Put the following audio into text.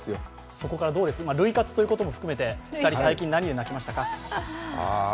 そこからどうです、涙活ということも含めて２人、最近何で泣きましたか？